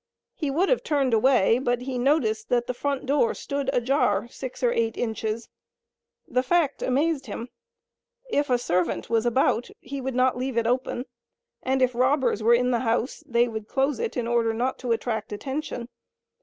He would have turned away, but he noticed that the front door stood ajar six or eight inches. The fact amazed him. If a servant was about, he would not leave it open, and if robbers were in the house, they would close it in order not to attract attention.